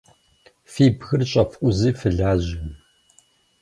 Фи бгыр щӏэфкъузи фылажьэ.